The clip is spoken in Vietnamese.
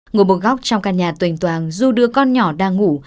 ngồi một góc trong căn nhà tuỳnh toàng du đưa con nhỏ đang ngủ